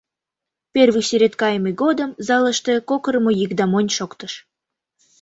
Первый сӱрет кайыме годым залыште кокырымо йӱк да монь шоктыш.